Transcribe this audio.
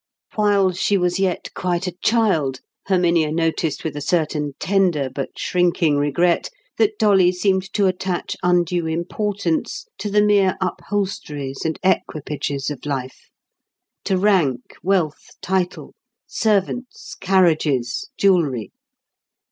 While she was yet quite a child, Herminia noticed with a certain tender but shrinking regret that Dolly seemed to attach undue importance to the mere upholsteries and equipages of life—to rank, wealth, title, servants, carriages, jewelry.